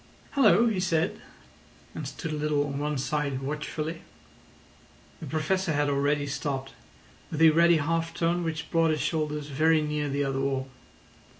"Hallo!" he said, and stood a little on one side watchfully. The Professor had already stopped, with a ready half turn which brought his shoulders very near the other wall.